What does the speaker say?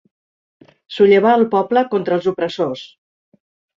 Sollevar el poble contra els opressors.